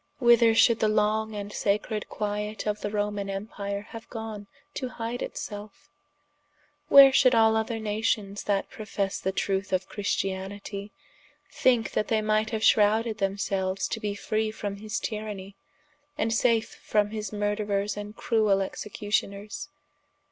whither should the long and sacred quiet of the Romane Empire haue gone to hide it selfe? where should all other Nations that professe the trueth of Christianitie, thinke that they might haue shrowded them selues to be free from his tyrannie, and safe from his murderers and cruel executioners?